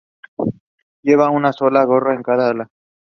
Llevaba una sola garra en cada ala.